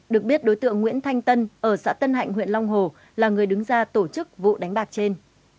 được biết đối tượng nguyễn thanh tân ở xã tân hạnh huyện long hồ là người đứng ra tổ chức vụ đánh bạc trên